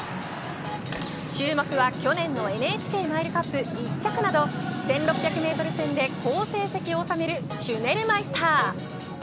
注目は去年のＮＨＫマイルカップ１着など１６００メートル戦で好成績を収めるシュネルマイスター。